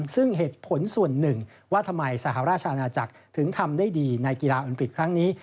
ซึ่งเหตุผลส่วนหนึ่งว่าทำไมสหราชอาณาจักรถึงทำได้ดีในกีฬาโอลิมปิกครั้งนี้